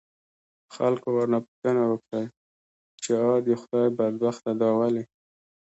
خلکو ورنه پوښتنه وکړه، چې آ د خدای بدبخته دا ولې؟